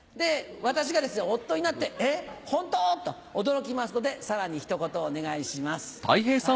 私がですね夫になって「えっホント？」と驚きますのでさらにひと言お願いします。